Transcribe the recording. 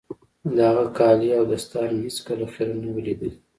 د هغه کالي او دستار مې هېڅ کله خيرن نه وو ليدلي.